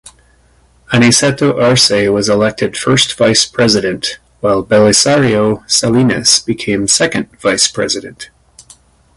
Aniceto Arce was elected first vice president while Belisario Salinas became second vice president.